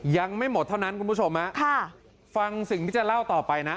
ยังไม่หมดเท่านั้นคุณผู้ชมฮะค่ะฟังสิ่งที่จะเล่าต่อไปนะ